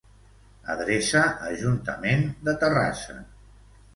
Adreça Ajuntament de Terrassa.